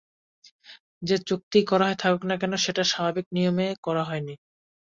যে চুক্তিই করা হয়ে থাকুক না কেন, সেটা স্বাভাবিক নিয়মে করা হয়নি।